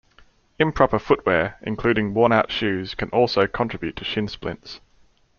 Improper footwear, including worn-out shoes, can also contribute to shin splints.